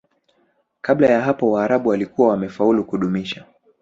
Kabla ya hapo Waarabu walikuwa wamefaulu kudumisha